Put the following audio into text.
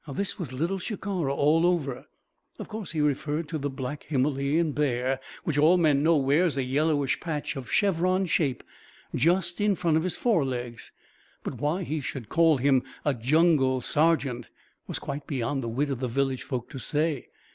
This was Little Shikara all over. Of course he referred to the black Himalayan bear which all men know wears a yellowish patch, of chevron shape, just in front of his fore legs; but why he should call him a jungle sergeant was quite beyond the wit of the village folk to say.